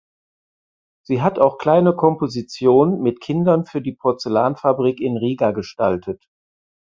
Sie hat auch kleine Kompositionen mit Kindern für die Porzellanfabrik in Riga gestaltet.